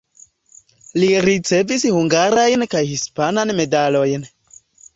Li ricevis hungarajn kaj hispanan medalojn.